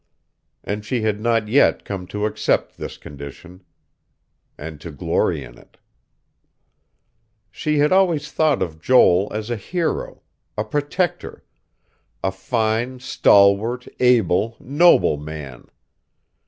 And she had not yet come to accept this condition, and to glory in it. She had always thought of Joel as a hero, a protector, a fine, stalwart, able, noble man.